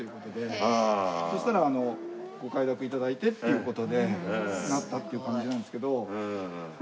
そしたらご快諾頂いてっていう事でなったっていう感じなんですけど。